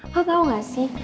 lo tau gak sih